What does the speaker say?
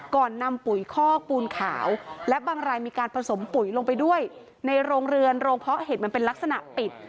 ก่อนนำปุ๋ยคอกปูนขาวและบางรายมีการผสมปุ๋ยลงไปด้วยในโรงเรือนโรงเพาะเห็ดมันเป็นลักษณะปิด